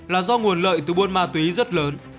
là do nguồn lợi từ buôn ma túy rất lớn